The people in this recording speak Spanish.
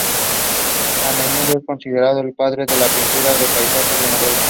A menudo es considerado "el padre de la pintura de paisajes noruega".